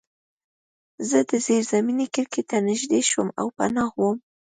زه د زیرزمینۍ کړکۍ ته نږدې شوم او پناه وم